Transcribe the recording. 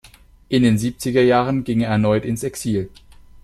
In den siebziger Jahren ging er erneut ins Exil.